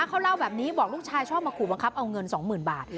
เขาเล่าแบบนี้บอกลูกชายชอบมาขู่บังคับเอาเงิน๒๐๐๐บาท